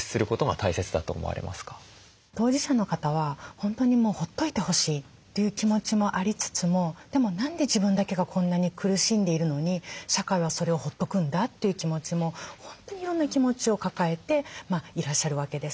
当事者の方は本当にほっといてほしいという気持ちもありつつもでも何で自分だけがこんなに苦しんでいるのに社会はそれをほっとくんだという気持ちも本当にいろんな気持ちを抱えていらっしゃるわけです。